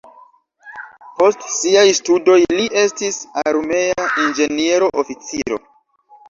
Post siaj studoj li estis armea inĝeniero-oficiro.